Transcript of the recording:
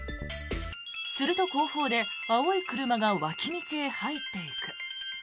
すると後方で青い車が脇道へ入っていく。